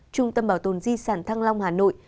trung tâm bảo tồn di sản thăng long hà nội